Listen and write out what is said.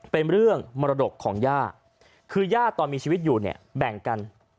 เป็นเรื่องมรดกของย่าคือย่าตอนมีชีวิตอยู่เนี่ยแบ่งกัน